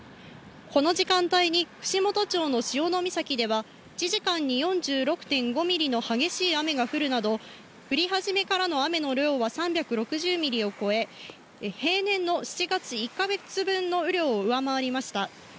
この時間帯に串本町の潮岬では、１時間に４６．５ミリの激しい雨が降るなど、降り始めからの雨の量は３６０ミリを超え、平年の７月、１か月分の雨量を上回りました。